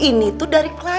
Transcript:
ini tuh dari klien